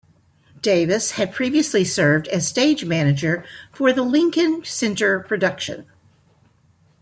Davis had previously served as stage manager for the Lincoln Center production.